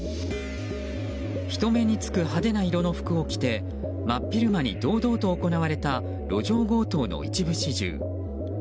人目につく派手な色の服を着て真っ昼間に堂々と行われた路上強盗の一部始終。